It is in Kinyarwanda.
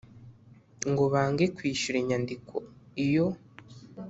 ngo bange kwishyura inyandiko iyo